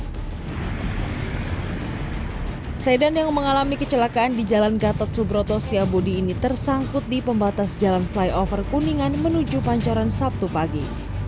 sedan yang mengalami kecelakaan di jalan gatot subroto setiabudi ini tersangkut di pembatas jalan flyover kuningan menuju pancoran sabtu pagi